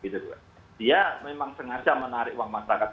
dia memang sengaja menarik uang masyarakat